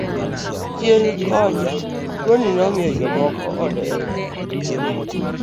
Chien kocha tuoni nomiyo jomoko odere.